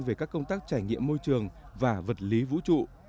về các công tác trải nghiệm môi trường và vật lý vũ trụ